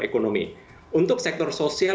ekonomi untuk sektor sosial